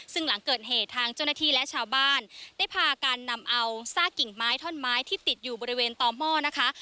ซึ่งหลังเกิดเหตุทางเจ้าหน้าที่และชาวบ้านได้พาการนำเอาซากกิ่งไม้ท่อนไม้ที่ติดอยู่บริเวณต่อหม้อนะคะ